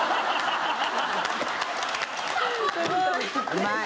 うまい。